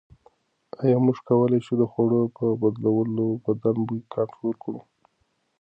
ایا موږ کولای شو د خوړو په بدلولو بدن بوی کنټرول کړو؟